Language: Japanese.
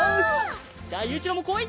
じゃあゆういちろうもこい！